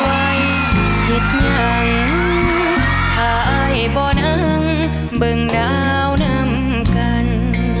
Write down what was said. ฟ้าเอ๋ยมีวัยเห็ดยังท่าไอ้ป่อนังเบิ่งดาวนำกัน